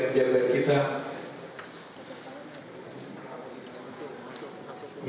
sebentar dulu ya